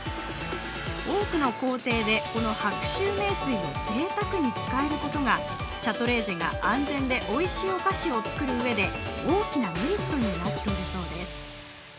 多くの工程でこの白州名水をぜいたくに使えることがシャトレーゼが安全でおいしいお菓子を作るうえで大きなメリットになっているそうです。